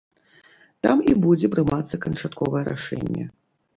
Там і будзе прымацца канчатковае рашэнне.